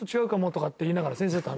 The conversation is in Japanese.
とかって言いながら先生と話。